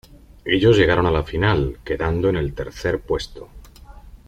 Ellos llegaron a la final, quedando en el tercer puesto.